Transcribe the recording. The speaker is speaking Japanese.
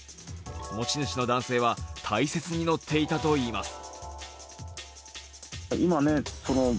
持ち主の男性は大切に乗っていたといいます。